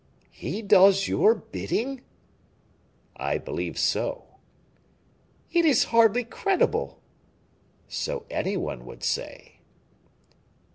"He does your bidding?" "I believe so." "It is hardly credible." "So any one would say."